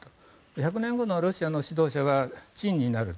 １００年後のロシアの指導者はチンになると。